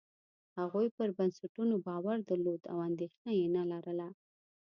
هغوی پر بنسټونو باور درلود او اندېښنه یې نه لرله.